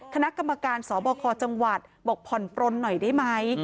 คณะกรรมการสบคจังหวัดบอกผ่อนปลนหน่อยได้ไหม